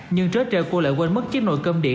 nhưng trước trời cô lại quên mất chiếc nồi cơm điện